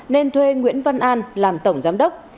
nên thuê nguyễn văn an làm tổng giám đốc